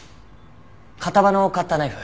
片刃のカッターナイフ。